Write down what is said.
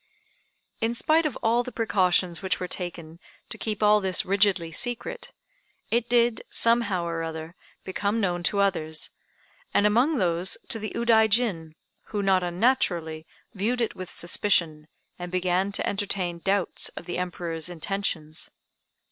In spite of all the precautions which were taken to keep all this rigidly secret, it did, somehow or other, become known to others, and among those to the Udaijin, who, not unnaturally, viewed it with suspicion, and began to entertain doubts of the Emperor's intentions.